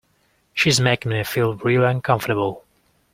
She’s making me feel really uncomfortable.